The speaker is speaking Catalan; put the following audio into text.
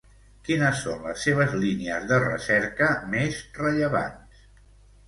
Quines són les seves línies de recerca més rellevants?